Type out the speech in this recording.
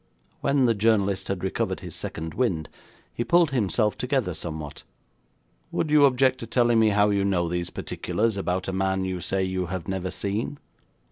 When the journalist had recovered his second wind he pulled himself together somewhat. 'Would you object to telling me how you know these particulars about a man you say you have never seen?'